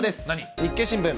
日経新聞。